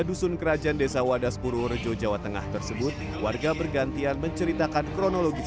dusun kerajaan desa wadas purworejo jawa tengah tersebut warga bergantian menceritakan kronologis